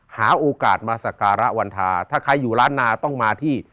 หาโอกาสมาสักการะวันทาถ้าใครอยู่ล้านนาต้องมาที่